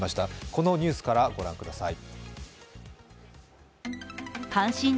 このニュースから御覧ください。